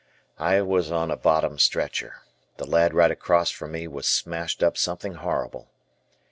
I was on a bottom stretcher. The lad right across from me was smashed up something horrible.